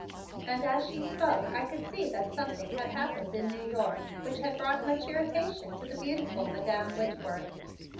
And as she spoke I could see that something had happened in New York which had brought much irritation to the beautiful Madam Whitworth.